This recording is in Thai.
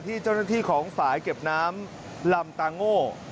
ที่เจ้าหน้าที่ของฝ่ายเก็บน้ำลำตาโง่